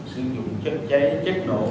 sử dụng chất cháy chất nổ